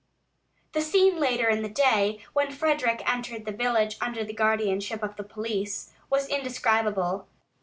...... The scene later in the day, when Frederick entered the village under the guardianship of the police, was indescribable.